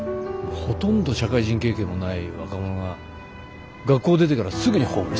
ほとんど社会人経験もない若者が学校出てからすぐにホームレスになる。